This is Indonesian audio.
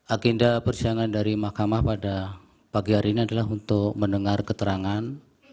agenda persidangan dari mahkamah pada pagi hari ini adalah untuk mendengar keterangan